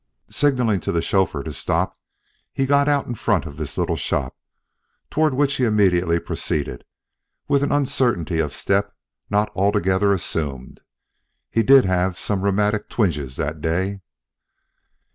Signaling to the chauffeur to stop, he got out in front of this little shop, toward which he immediately proceeded, with an uncertainty of step not altogether assumed. He did have some rheumatic twinges that day.